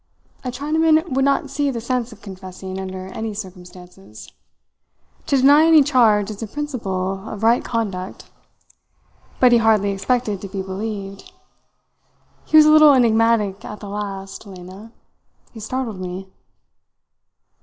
A Chinaman would not see the sense of confessing under any circumstances. To deny any charge is a principle of right conduct; but he hardly expected to be believed. He was a little enigmatic at the last, Lena. He startled me."